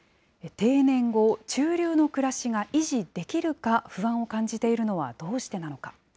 定年後、中流の暮らしが維持できるか不安を感じているのはどうしてなのか。